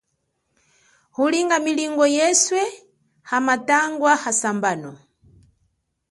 Ulinga milimo ye yeswe ha matangwa asambono.